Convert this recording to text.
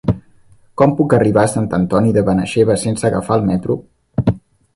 Com puc arribar a Sant Antoni de Benaixeve sense agafar el metro?